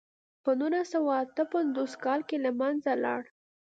په نولس سوه اته پنځوس کال کې له منځه لاړ.